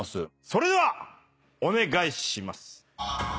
それではお願いします。